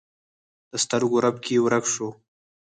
د سترګو رپ کې ورک شو